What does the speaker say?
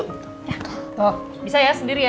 oh bisa ya sendiri ya